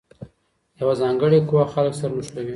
یوه ځانګړې قوه خلګ سره نښلوي.